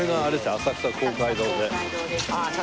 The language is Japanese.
浅草公会堂ですね。